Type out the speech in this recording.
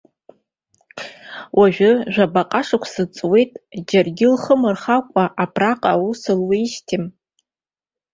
Уажәы жәабаҟа шықәса ҵуеит, џьаргьы лхы мырхакәа абра аус луеижьҭеи.